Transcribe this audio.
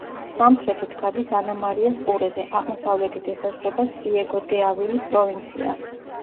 სამხრეთით გადის ანა-მარიას ყურეზე, აღმოსავლეთით ესაზღვრება სიეგო-დე-ავილის პროვინცია.